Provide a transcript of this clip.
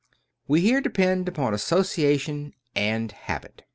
We here depend upon association and habit.